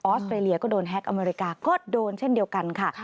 อสเตรเลียก็โดนแฮ็กอเมริกาก็โดนเช่นเดียวกันค่ะ